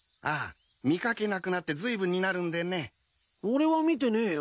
ああ見掛けなくなってずいぶんになるんでね。